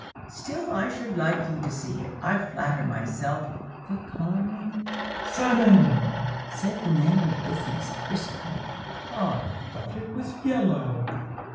Still I should like you to see it. I flatter myself the coloring"— "Salmon," said the man of business, briskly. "I thought it was yellow.